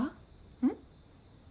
うん？